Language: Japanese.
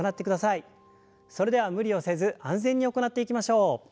それでは無理をせず安全に行っていきましょう。